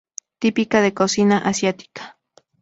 Típica de cocina asiática.